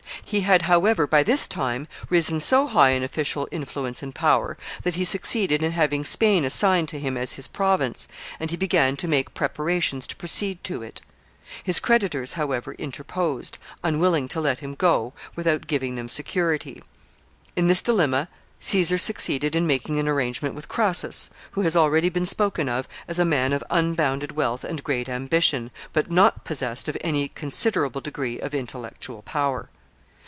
He had, however, by this time, risen so high in official influence and power, that he succeeded in having Spain assigned to him as his province, and he began to make preparations to proceed to it. His creditors, however, interposed, unwilling to let him go without giving them security. In this dilemma, Caesar succeeded in making an arrangement with Crassus, who has already been spoken of as a man of unbounded wealth and great ambition, but not possessed of any considerable degree of intellectual power.